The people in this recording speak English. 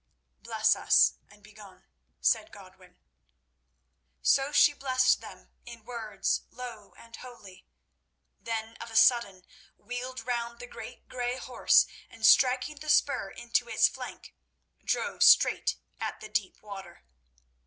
"Bless us, and begone," said Godwin. So she blessed them in words low and holy; then of a sudden wheeled round the great grey horse, and striking the spur into its flank, drove straight at the deep water.